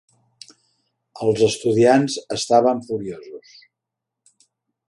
Els estudiants estaven furiosos.